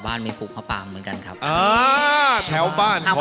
สำคัญคุณตัวจริงคำหรับหัวภาค